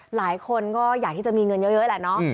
หลายคนก็อยากที่จะมีเงินเยอะแหละเนาะ